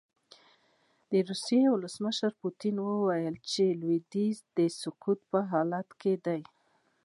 د روسیې ولسمشر پوتین وايي چې لویدیځ د سقوط په حال کې دی.